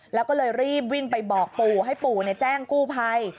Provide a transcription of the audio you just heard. แล้วก็เลยรีบวิ่งไปบอกปู่ให้ปู่แจ้งกู้ภัย